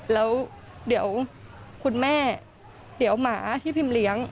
แล้วเดี๋ยวคุณแม่เดี๋ยวหมาที่พิมเลี้ยง